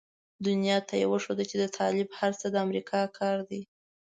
دنيا ته يې وښوده چې د طالب هر څه د امريکا کار دی.